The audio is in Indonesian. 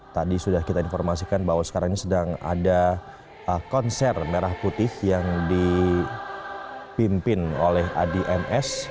tadi sudah kita informasikan bahwa sekarang ini sedang ada konser merah putih yang dipimpin oleh adi ms